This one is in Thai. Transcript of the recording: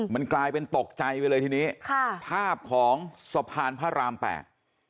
มันกลายเป็นตกใจไปเลยทีนี้ค่ะภาพของสะพานพระรามแปด